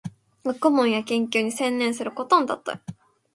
学問や研究に専念することのたとえ。